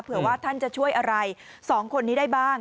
ว่าท่านจะช่วยอะไรสองคนนี้ได้บ้าง